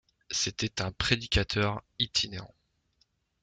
C’était un prédicateur itinérant.